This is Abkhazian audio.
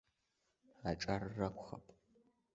Аҿар ракәхап.